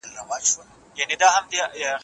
که پښتو قوي وي، نو کلتوري ښکلا ژوندۍ پاتې کېږي.